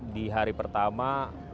di hari pertama